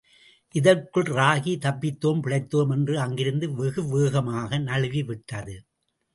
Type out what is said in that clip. இதற்குள் ராகி, தப்பித்தோம், பிழைத்தோம் என்று அங்கிருந்து வெகு வேகமாக நழுவிவிட்டது!